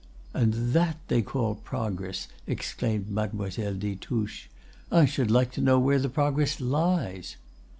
"And that they call progress!" exclaimed Mademoiselle des Touches. "I should like to know where the progress lies?"